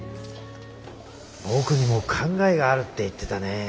「僕にも考えがある」って言ってたね。